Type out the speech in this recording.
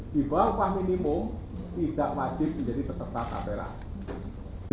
di bawah upah minimum tidak wajib menjadi peserta kamera